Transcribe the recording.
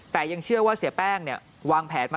แต่ยังเชื่อว่าเสียแป้งเนี่ยวางแผนมา